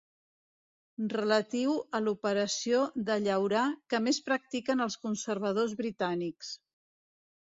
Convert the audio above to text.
Relatiu a l'operació de llaurar que més practiquen els conservadors britànics.